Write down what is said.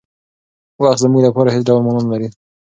وخت زموږ لپاره هېڅ ډول مانا نهلري.